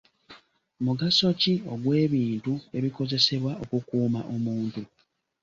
Mugaso ki ogw'ebintu ebikozesebwa okukuuma omuntu?